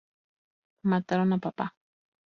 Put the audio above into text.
Mataron a papá!".